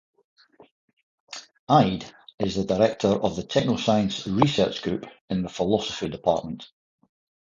Ihde is the Director of the Technoscience Research Group in the Philosophy Department.